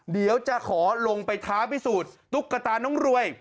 เดี๋ยวจะขอลงไปท้าพิสูจน์ตุ๊กตาน้องรวย